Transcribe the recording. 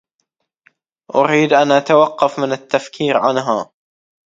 أريد أن أتوقف من التفكير عنها.